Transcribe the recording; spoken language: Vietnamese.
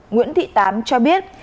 nguyễn thị tám cho biết